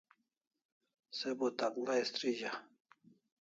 Se bo takla istrizah